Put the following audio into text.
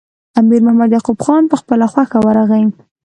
امیر محمد یعقوب خان په خپله خوښه ورغی.